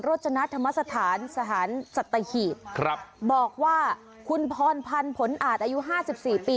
จณธรรมสถานสถานสัตหีบครับบอกว่าคุณพรพันธ์ผลอาจอายุห้าสิบสี่ปี